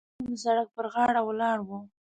ملنګ د سړک پر غاړه ولاړ و.